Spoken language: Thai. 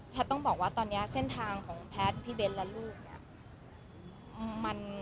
ต้องบอกว่าตอนนี้เส้นทางของแพทย์พี่เบ้นและลูกเนี่ย